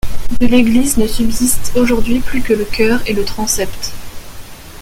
De l'église ne subsistent aujourd'hui plus que le chœur et le transept.